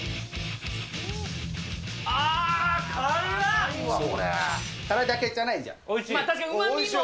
あー、辛いだけじゃないじゃん。